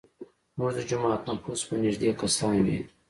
زموږ د جومات نفوس به نیږدی کسان وي.